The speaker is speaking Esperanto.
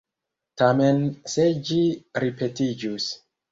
Tamen se ĝi ripetiĝus.